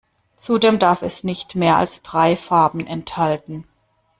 Zudem darf es nicht mehr als drei Farben enthalten.